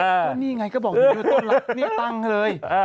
ก็นี่ไงก็บอกอยู่เลยต้นหลักนี้ตั้งเลย